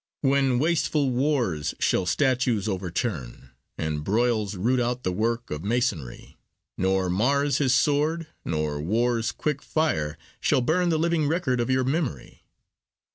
When wasteful wars shall statues overturn, And broils root out the work of masonry, Nor Mars his sword nor war's quick fire shall burn The living record of your memory.